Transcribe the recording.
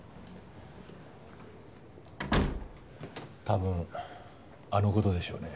多分あの事でしょうね。